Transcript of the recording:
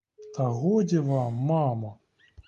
Та годі вам, мамо.